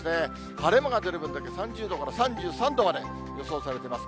晴れ間が出る分だけ３０度から３３度まで予想されてます。